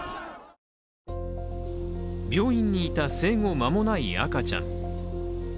病院にいた、生後間もない赤ちゃん。